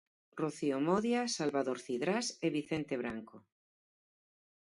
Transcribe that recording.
Rocío Modia, Salvador Cidrás e Vicente Branco.